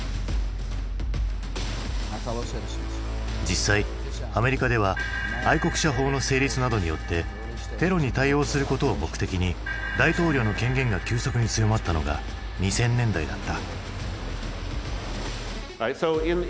実際アメリカでは愛国者法の成立などによってテロに対応することを目的に大統領の権限が急速に強まったのが２０００年代だった。